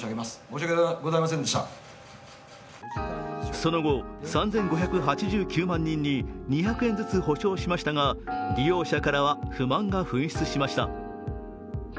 その後、３５８９万人に２００円ずつ補償しましたが、利用者からは不満が噴出しました。